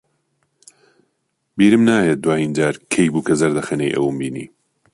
بیرم ناهێت دوایین جار کەی بوو کە زەردەخەنەی ئەوم بینی.